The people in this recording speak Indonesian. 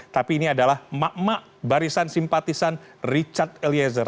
tapi ini adalah mak mak barisan simpatisan richard eliezer